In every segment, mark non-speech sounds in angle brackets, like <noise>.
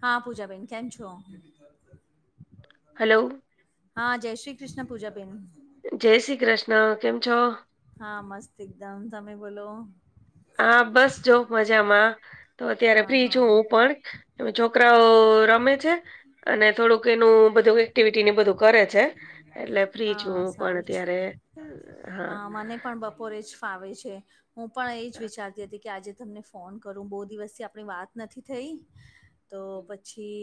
હા પૂજાબેન કેમ છો? હલો હા જય શ્રી કૃષ્ણ પૂજા બેેન. જય શ્રી કૃષ્ણ કેમ છો? હા મસ્ત એકદમ તમે બોલો હા બસ જો મજામાં તો અત્યારે હા પ્ર્રી છું હા હું પણ એ છોકરાઓ રમે છે અને થોડુંક એનું બધું એક્ટિવિટીને બધું કરે છે એટલે ફ્રી છું હા હું પણ સારું છે અત્યારે હ હા મને પણ બપોરે જ ફાવે છે હું પણ એ જ વિચારતી હતી કે આજે તમને ફોન કરું બહુ દિવસ થી આપણી વાત નથી થઈ તો પછી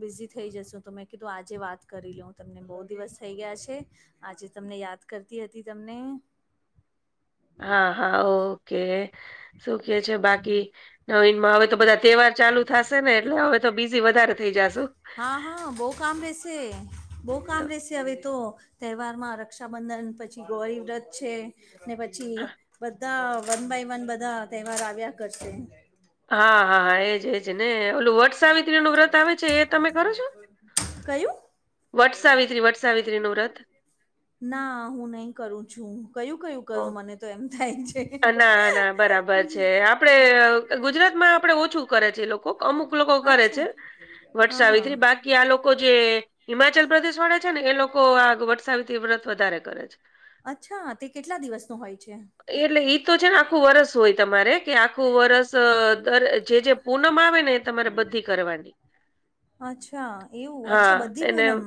બિઝી થઈ જસુ તો મેં કીધું આજે વાત કરી લઉ તમને બહુ દિવસ થઈ ગયા છે આજે તમને યાદ કરતી હતી તમને <inaudible> <unintelligible> હા હા ઓકે સુું કે છે બાકી નવીનમાં હવે તો બધા તહેવાર ચાલુ થાશે ને એટલે હવે તો બીજી વધારે થઈ જાશું હા હા બ‌ઉ કામ રેશે બ‌ઉ તો કામ રેશે હવે તો તહેવારમાં રક્ષાબંધન પછી ગૌરી વ્રત છે ને પછી હા બધા વન બાય વન બધા તહેવાર આવ્યા કરશે હા હા હા એજજ ને ઓલું વટ સાવિત્રી નું વ્રત આવે છે એ તમે કરો છો? કયું વટ સાાવિત્રી વટ સાાવિત્રી નુ વ્રત ના હું નહી કરું છું કયું કયું કરું હ. મને તો એમ થાય છે ના ના બરાબર છે આપડે ગુજરાતમાં આપડણે ઓછું કરે છે લોકો અમુક લોકો કરે છે અચ્છા હા હા વટસાવીત્રી બાકી કે આ લોકો જે હિમાચલ પ્રદેશ વાળે છે ને એ લોકો આ વટસાવિત્રી વ્રત વધારે કરે છે અચ્છા તે કેટલા દિવસ ન હોય છે? એટલે એઈ તો છે ને આખું વરસ હોય તમારે કે આખું વરસ દર જે જે પૂનમ આવે ને એ તમારે બધી કરવાની અચ્છા એવું અચ્છા હા બધી એને પૂનમ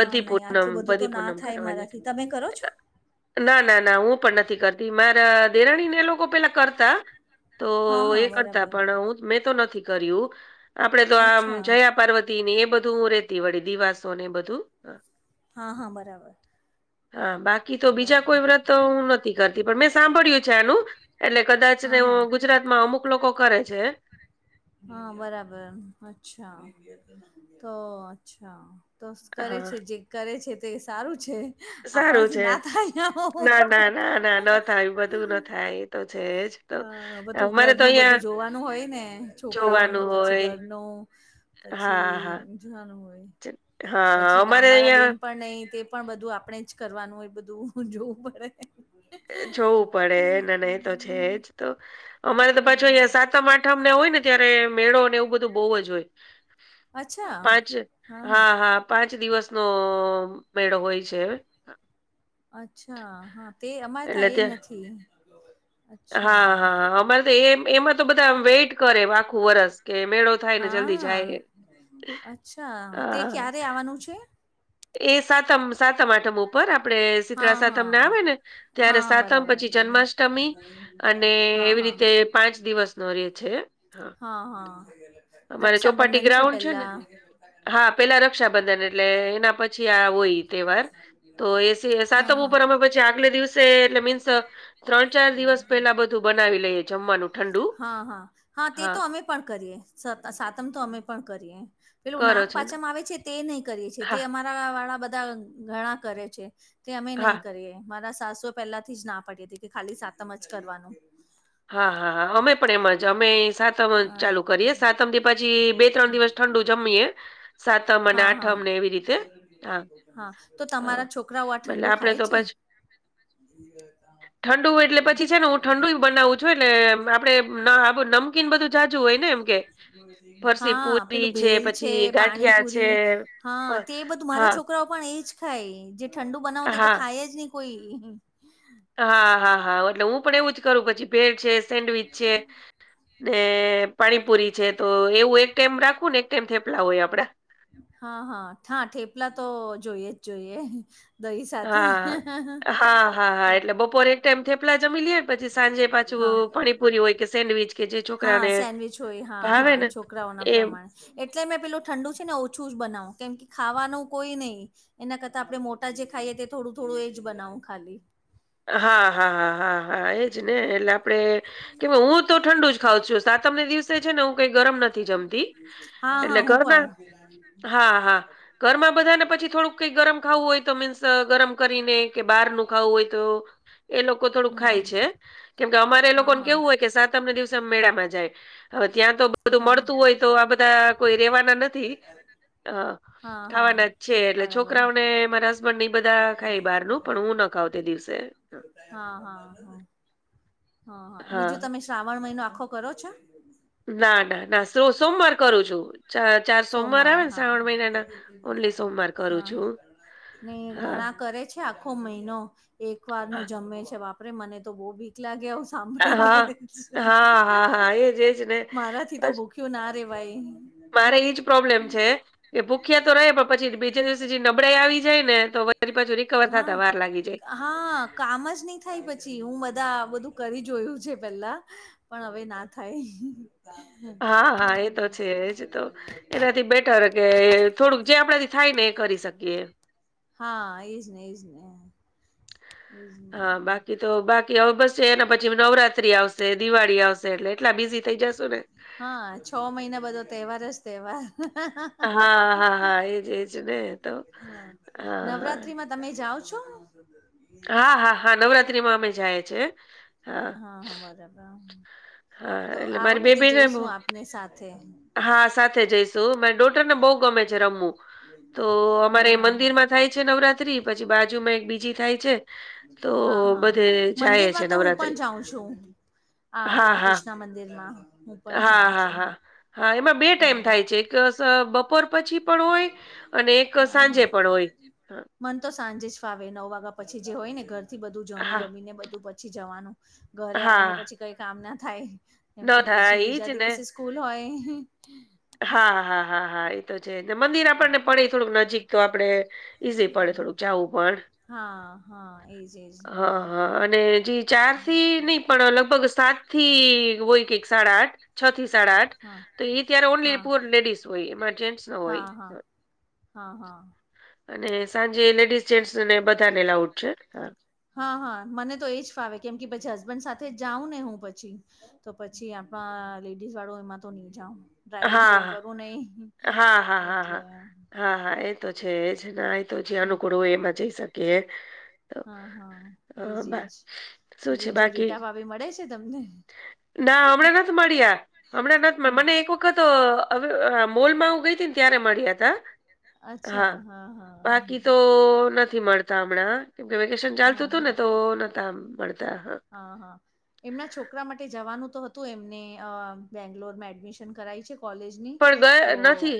હા નહી પૂનમ આટલું બધું બધી તો ના પૂનમ થાય કરવાની મારાથી તમે કરો છો? ના ના ના હું પણ નથી કરતી મારા દેરાણીને લોકો પેલા કરતા તો હા હા એ કરતા બરાબર પણ હું મેં તો નથી કર્યું આપડે તો આમ અચ્છા જયા પાર્વતી ને એ બધું તે વળી દિવાસો ને બધું હા હા બરાબર. હા બાકી તો બીજા બરાબર કોઈ વ્રત હું નથી તી પણ મેં સાંભળ્યું છે આનું એટલે કદાચ હા ને હા ગુજરાતમાં અમુક લોકો કરે છે હા બરાબર અચ્છા તો અચ્છા તો કરે હા છે જે કરે છે તે સારું છે સારું આપણા જ છે. ના થાય ના ના ના ના ન થાય બધું ન થાય એ તો છે જ તો હ બધું અમારે તો ઘરનું અહિયાં બધું જોવાનું હોય ને જોવાનું છોકરાઓનું પછી હોય ઘરનું પછી હા હા. જોવાનું હોય હા હા પછી અમારે કામ વાળા અહિયાં બેન પણ નહી તે પણ બધું આપણે જ કરવાનું એ બધું જોવું પડે જોવું પડે અને એ તો છે જ તો અમારે તો હા પાછું સાતમ આઠમ મને હોય ને ત્યારે મેળો ને એવું બધું બહુ જ હોય અચ્છા પાંચ હા હા પાંચ દિવસનો મેળો હોય છે અચ્છા હા તે અમારે ત્યાં એ નથી અચ્છા હા હા અમારે તો એ એમાં તો બધા વેટ કરે આખું વરસ કે મેળો થાયને જલ્દી જાય હા હા આનું છે એ સાતમ સાતમ આઠમ ઉપર આપડે શીતળા હા સાતમને હા આવે ને ત્યારે હા સાતમ પછી બરાબર જન્માષ્ટમી અષ્ટમી અને હા એવી હા રીતે પાંચ દિવસ નો રે છે હા અમારે ચોપાટી રક્ષાબંધન ગ્રાઉન્ડ છે ને પેલા હા પેલા રક્ષાબંધન એટલે એના પછી આ હોય તહેવાર તો એ હા સાતમ હા ઉપર અમે પછી આગલે દિવસે એટલે મીન્સ ત્રણ ચાર દિવસ પેલા બધું બનાવી લઈએ જમવાનું ઠંડુ હા હા હા તે તો અમે પણ કરીએ સાતમ તો અમે પણ કરીએ પેલું કરો નનાગ છો ને પાંચમ માં આવે છે તે નહીં કરીએ છે તે હા અમારા વાળા બધા ઘણા કરે છે તે અમે હા નહી કરીએ મારા સાસુ પહેલાથી જ ના પડીએ હતી કે ખાલી સાતમ જ કરવાનું હા હા હા અમે પણ એમાં અમે સાતમ હા ચાલુ કરીએ સાતમ થી પછી બે ત્રણ દિવસ ઠંડુ જમીયએ હા હા હા હા તો હા તમારા છોકરાઓ આ એટલે ઠંડુ આપડે ખાય તો છે ત <inaudible> પછી ઠંડુ એટલે પછી છે ને હું ઠંડુ ય બનાવું છું એટલે આપડેમ <inaudible> <unintelligible> ફરસી હા પુરી પેલું ભેલ છે પછી ગાંઠિયા છે. પાણીપુરી પ હા તે એ બધું મારા હા છોકરા પણ એજ ખાય જે ઠંડુ બનાવતી તો હા. ખાય જ નહી કોઈ હા હા હા એટલે હું પણ એવું જ કરું પછી બ્રેડ છે સેન્ડવીચ છે ને પાણીપુરી છે તો એવું એક કેમ રાખવું ને એક કેમ થેપલા હોય આપડા હા હા હા ઠેપલા તો જોઈએ જ જોઈએ દહી સાથે હા. તેમ તેમ પલા જમી લે પછી સાંજે પાછું હા પણીપુરી હોય કે સેન્ડવીચ કે જે હા છોકરાને સેન્ડવીચ હોય હા ભાવે હા ને છોકરાઓના એમ પ્રમાણે એટલે મેં પેલું ઠંડુ છે ને ઓછું જ બનાવ કેમ કે ખાવાનું કોઈ નહીં એના કરતા આપડે મોટા જે ખાઈએ તે થોડું થોડું એજ બનાવું ખાલી હા હા હા હા હા એજ ને એટલે આપડે કે હું તો ઠંડુ જ ખાવઉ છું સાતમને દિવસ છે ને હું કઈ ગરમ નથી જમતી હા હા એટલે હું ગરના પણ હા હા ઘરમાં બધા ને પછી થોડુંક કઈ ગરમ ખાવું હોય તો મીન્સ ગરમ કરીને કે બહાર નું ખાવું હોય તો એ લોકો થોડુંક હમ ખાય છે હમ કેમ કે અમારે એ હા લોકોને હા કેવું હોય કે તમને દિવસેમેળામાં જાય હવે ત્યાં તો બધું હા મળતું હોય તો આ બધા કોઈ રેવાના નથી હા હા હા ખાવાના જ છે એટલે બરાબર છોકરાઓને મારા હસબન્ડ બધા ખાય બહાર નું પણ હું ના ખાવ તે દિવસે હા હા હા હા હા બીજું તમે શ્રાવણ મહિનો આખો કરો છો. ના ના ના. સોમવાર કરું છું ચ ચાર સોમવાર આવે ને હા શ્રાવણ હા મહિના ના ઓનલી સોમવાર કરું હા છું. ને હા, ઘણા કરે છે આખો મહિનો એક વાર હા. નું જમે છે બાપરે મને તો બહ બી. એકલા ગયા હું સાંભળીને હા, હા, હા, હા, એજ એજ ને મારાથી તો બસ ભૂ. ક્યુ ના રવાાઈ. મારે એજ પ્રોબ્લેમ છે. એ ભૂખ્યા તો રહે પણ પછી બીજા દિવસે જે નબળાઈ આવી જાય ને તો પ પાછું રિકવર હા થતા વાર લાગી જાય. હા કામ જ નહી થાય પછી હું બધા બધું કરી જોયું છે પેલા. પણ હવે ના થાય. હા, હા એ તો છે એજ તો. એનાથી બેટર કે થોડુંક જે આપણાથી થાય ને એ કરી શકીએ. હા એજ ને એજ નને. હા બાકી. તો બાકી હવે બસ એના પછી નવરાત્રી આવશે દિવાળી આવશે એટલે એટલા બીઝી થઈ જશ ને. હા છ મહિના બધો તહેવાર જ તહેવાર. હા હા હા એજ એજ ને તો હા હા. નવરાત્રીમાં તમે જાઓ છો. હા હા હા નવરાત્રીમાં અમે જાયએ છે. હા બરાબર હા તો એટલે આ મારી વખતે બેબીને બહુ- જઈશું આપને સાથે. હા સાથે જઈશું માને ડોટર ને બહુ ગમે છે રમવું તો અમારે હા. મંદિરમાં. થાય છે નવરાત્રી પછી બાજુમાં એક બીજી થાય છે. તો હા હા બધે જાય છે મંદિરમાં તો હું પણ નવરાત્રી જાઉં છું. હા આપણા ક્રષ્ના મંદિરમાં હું પણ હા જાઉં હા છું. હા હા એમાં બે ટાઈમ હમ. થાય છે એક બપોર પછી પણ હોય અને એક હા સાંજે હા પણ હોય. મન તો સાંજે જ ફાવે નવ વાગ્યા પછી જે હોય ને ઘર થી બધું જમી હા વમી ને બધું પછી જવાનું. ઘરે આવીને હા પછી કઈ કામ ના થાય કેમ કે ન થાય પછી ઈ જ બીજા ને દિવસે. સ્કૂલ હોય. હા હા હા હા એ. છેને મંદિર આપણને પડે થોડુંક નજીક તો આપડે ઈઝી પડે થોડુંક જવું પણ. હા હા એજ એજ. હા હા અને જે ચાર નહ. પણ લગભગ સાત થી હોય કેઈ સાડા આઠ છ થી સાડા આઠ. હા. તો એ ત્યારે ઓનલી હા પુઅર લેડીસ હોય એમાં જેન્ટસ ન હોય. હા હા હા હા. અને સાંજે લેડીસ જેન્ટસ ને બધાને લઉડ છે હા. હા હા મને તો એજ ફાવે કેમ કે પછી હસબન્ડ સાથે જાઉં ને હું પછી. તો પછી આપણા લેડીઝ વાળો એમાં તો નહી જાાવ ડ્રાઈવિંગ તો હ હા કરું નહીિ. હા હા હા હા હા હા એ તો છે એ જ એ તો જ અનુકૂળ હોય એમાં જઈ શકે. કે. હા હા એજ એજ શું છે બીજું બાકી રીટાફાવી મળે છે તમને. ના હમણાં નથી મળી્યા. હમણાં નથી મને એક વખત મોલમાં હું ગઈ હતી ને ત્યારે મળ્યા હતા. અચ્છા હા હા. તો નથી મળતા હમણાં કેમકે વેકેશન હા ચાલતું હતું ને તો નતા મળતા હા. હા હા. એમના છોકરા માટે જવાનું તો હતું એમને અ બેંગ્લોરમાં એડમિશન કરાય છે કોલે. પણ તો. ગયા નથી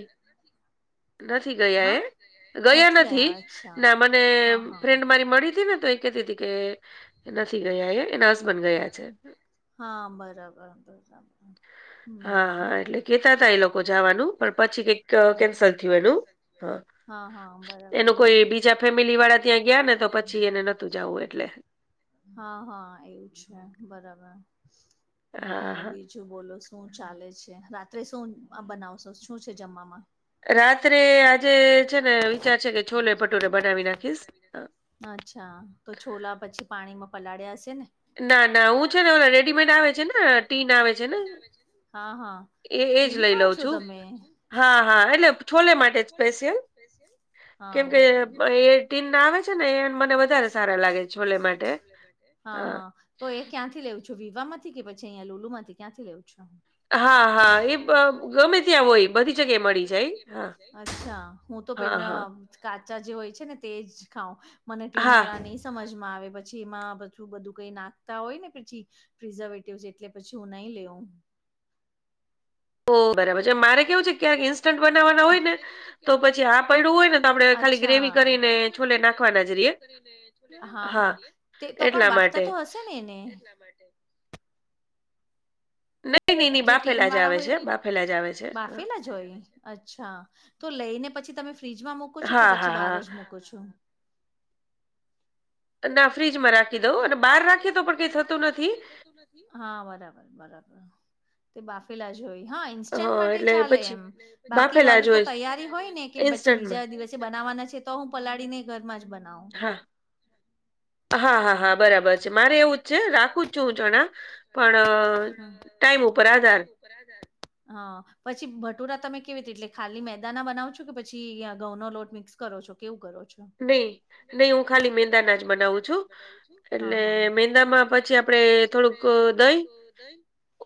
નથી ગયા એ. હા ગયા નથી ના મને હા હા ફ્રેન્ડ મારી મળી હતી ને તો એ કેતી. કે નથી ગયા એ એના હસબન્ડ ગયા છે હા બરાબર બરાબર હા હમ હા એટલે કેતા હતા એ લોકો જવાનું પણ પછી કઈક હા કેન્સલ થયુ એનું હા હા બરાબર એનું કોઈ બરાબર બીજા ફેમિલી વાળા ત્યાં ગયા ને તો પછી એને નથી નતુ જવું એટલે હા હા એવું છે બરાબર ને હા બી હા બીજુ બોલો શું ચાલે છે રાત્રે શું બનાવશો શું છે, જમવામાં? રાત્રે આજે છે ને વિચાર છે કે છોલે ભટુરે બનાવી નાખીશ. અ અચ્છા તો છોલા પછી પાણીમાં પલાળ્યા હશે ને? ના હું ના છે ને ઓલા ના છે રેડીમેડ ને આવે રેડીમેડ આવે છે ને ટીન કિટ આવે છે હા હા એ એજ તીમ લઈ ખાવ લઉં છો છું તમે? હા હા એટલે હા છોલે એટલે માટે જ છોલે માટે સ્પેશિયલ સ્પેશિયલ કેમ કે હા કેમ કે એ ટીન ના આવે એજ છે એમ ને એ આવે છે મને ને એ વધારે મને સારા લાગે વધારે છે સારા છોલે લાગે માટે છે છોલે માટે. હા હા તો એ ક્યાંથી લેવું છું વિવા માંથી કે પછી અહીયા લુલુ માંથી ક્યાંથી લેવો છો? હા હા એ ગમે ત્યાં હોય બધી જગ્યાએ મળી જાય. હા અચ્છા હું તો હા પેલા હા કાચા જે હોય છે ને તેજ ખાઉં મને ટીન હા વાળા નહી સમજમાં આવે પછી એમાં બધું બધું કઈ નાખતા હોય ને પછી પ્રિઝર્વેટિવ છે એટલે પછી હું નહી લેવું. ઓ બરાબર છે મારે કેવું છે ક્યાંક ઈન્સ્ટન્ટ બનાવવાના હોય ને તો પછી આ પડું હોય ને તો આપડણે ખાલી હા ગ્રેવી ના કરીને પડ્યું હોય ને છોલે તો ખાલી નાખવાના જ રહીએ ગ્રેવી બનાવી હા ને તો પણ એટલા બાફવા તો માટે તો હશે ને એને એટલા માટે નહી નહી. જે ટીન વાળા હોય નહી નહી બાફેલા આવે હા બાફેલા જોઈ અચ્છા તો લઈને પછી તમે ફ્રીજમાં મુકો છો કે હા, હા, પછી બહાર હા. જ મુકો છો? ના ફ્રીજમાં રાખી દઉં અને બહાર રાખીએ તો પણ કઈ થતું નથી હા બરાબર બરાબર. તે બાફેલા જો હોઈ હા અ ઇન્સ્ટન્ટ માટે એટલે ચાલે પછી એમ. બાકી બાફેલા મારું જ તો હોય તૈયારી હોય ને કે પછી ઇન્સ્ટન્ટમાં. બીજા દિવસે બનાવવાના છે. તો હું પલાળી ને ઘરમાં જ બનાવું હા. <inaudible> હા હા હા બરાબર છે મારે એવું જ છે રાખું જ છું હું ચણા પણ ટાઈમ ઉપર આધાર ઉપર આધાર હા પછી ભટુરા તમે કેવી રીતે એટલે ખાલી મેદાના બનાવ છો કે પછી ઘઉં નો લોટ મિક્સ કરો છો કેવું કરો છો? નહી નહી હું ખાલી મેંદાના જ બનાવું છું. બનાવ છું હા એટલે હા અને મેંદામાં પછી મેંદામાં પછી આપડે થોડુંક દહીં થોડુંક દહી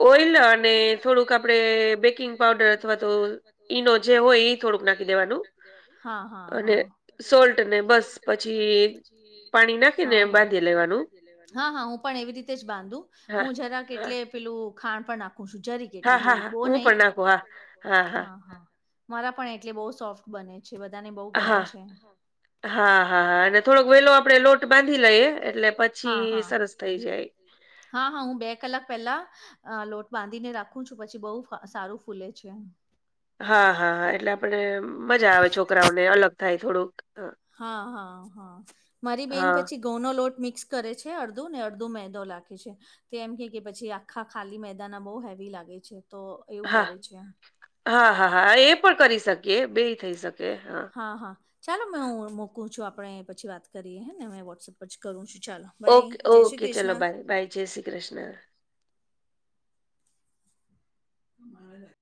ઓઈલ અને થોડુંક આપણેે બેકિંગ પાવડર અથવા તો ઈનો જે હોય જે થોડુંક હોય નાખી એ થોડુંક દેવાનું. નાખી દેવાનું હા હા અને હા. સોલ્ટ ને બસ પછી પાણી નાખ હ હા હા હું પણ એવી રીતે જ બાંધુ હા હું જરા હા એટલે પેલું ખાણ પણ નાખું છું જરીક હા એટલે હા જરીક હા બોવ હું નહી પણ હા નાખું હું પણ હા હા નાખું મારા પણ એટલે બહુ સોફ્ટ બને છે. બધાને બહુ ગમે હા છે. હા હા હા અને થોડોક વેલો આપડે બાંધી લોટ લઈએ માંથી એટલે લઈ હ પછી સરસ થઈ જાય હા હા હું બે કલાક પેલા અ લોટ બાંધીને રાખું છું પછી બહુ સારું ફૂલે છે. હા હા હા એટલે આપણે મજા આવે છોકરાઓને અલગ થાય થોડુંક હા હા હા મારી બેન પછી હા ઘઉંનો લોટ મિક્સ કરે છે અડધું ને અડધો મેંદો લખે છે. તો એમ કે કે પછી આખા ખાલી મેદાાન બહુ હેવી લાગે છે તો એવું કરે છે. હા હા હા એ પણ કરી શકીએ બે થઈ શકે હા. હા હા ચાલો મેં હું મોૂકું છું આપણે પછી વાત કરીએ ને મેં વોટ્સઅપ પછી કરું છું ચાલો. બાય ઓકે જય શ્રી ઓકે ચલો કૃષ્ણ બાય બાય જય શ્રી કૃષ્ણ. હા.